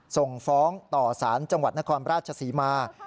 ส่งฟ้องต่อสารจังหวัดนครราชศรีมา